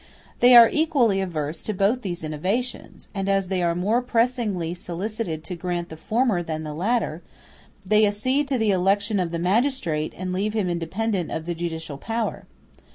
They are equally averse to both these innovations; and as they are more pressingly solicited to grant the former than the latter, they accede to the election of the magistrate, and leave him independent of the judicial power.